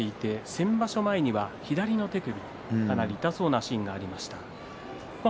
先場所前には左の手首、かなり痛そうなシーンもありました。